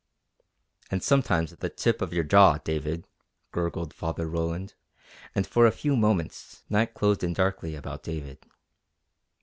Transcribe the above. "And sometimes the tip of your jaw, David," gurgled Father Roland, and for a few moments night closed in darkly about David.